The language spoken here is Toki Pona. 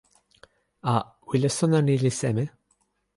a, wile sona ni li seme?